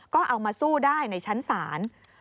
ก็เอามาสู้ได้ในชั้นศาล